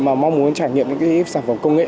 mà mong muốn trải nghiệm những cái sản phẩm công nghệ